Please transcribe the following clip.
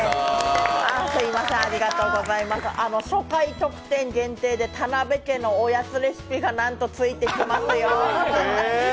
初回特典限定で田辺家のおやつレシピがなんと、ついてきますよ。